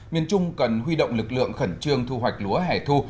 miền trung cần huy động lực lượng khẩn trương thu hoạch lúa hẻ thu